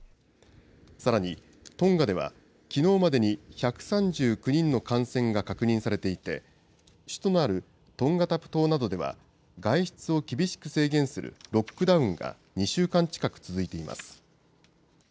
さらにトンガでは、きのうまでに１３９人の感染が確認されていて、首都のあるトンガタプ島などでは、外出を厳しく制限するロックダウンが２週間近く続いています。